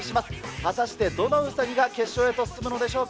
果たしてどのうさぎが決勝へと進むんでしょうか。